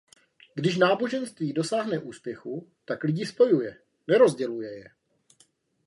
Když náboženství dosáhne úspěchu, tak lidi spojuje, nerozděluje je.